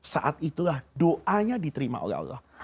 saat itulah doanya diterima oleh allah